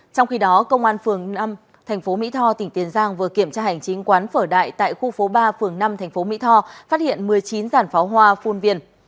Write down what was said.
trong khi đó công an phường năm thành phố mỹ tho tỉnh tiền giang vừa kiểm tra hành chính quán phở đại tại khu phố ba phường năm tp mỹ tho phát hiện một mươi chín giản pháo hoa phun viên